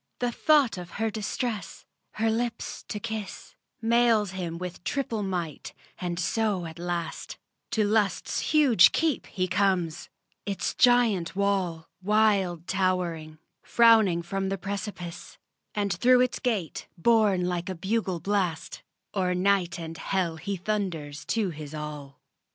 The thought of her distress, her lips to kiss, Mails him with triple might; and so at last To Lust's huge keep he comes; its giant wall, Wild towering, frowning from the precipice; And through its gate, borne like a bugle blast, O'er night and hell he thunders to his all.